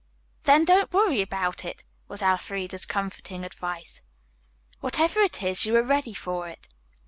"Then don't worry about it," was Elfreda's comforting advice. "Whatever it is, you are ready for it."